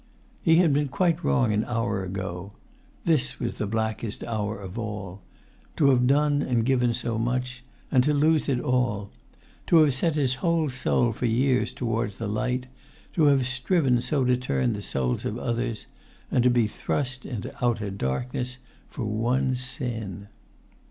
He had been quite wrong an hour ago. This was the blackest hour of all. To have done and given so much, and to lose it all! To have set his whole soul for years towards the light, to have striven so to turn the souls of others; and to be thrust into outer darkness for one sin!